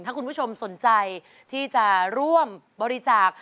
ถ้าคุณผู้ชมสนใจที่จะร่วมบริจาค